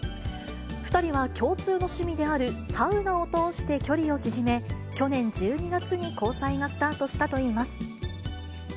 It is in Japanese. ２人は共通の趣味であるサウナを通して距離を縮め、去年１２月に交際がスタートしたといいます。